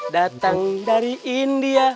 datang dari india